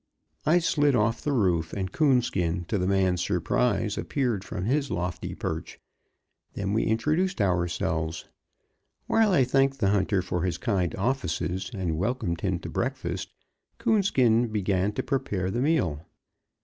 I slid off the roof, and Coonskin, to the man's surprise, appeared from his lofty perch; then we introduced ourselves. While I thanked the hunter for his kind offices and welcomed him to breakfast, Coonskin began to prepare the meal.